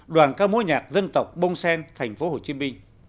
đoàn ca mối nhạc dân tộc bông sen thành phố hồ chí minh